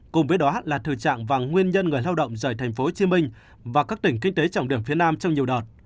cùng với đó là thừa trạng và nguyên nhân người lao động rời tp hcm và các tỉnh kinh tế trọng điểm phía nam trong nhiều đợt